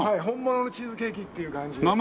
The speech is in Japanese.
本物のチーズケーキっていう感じで。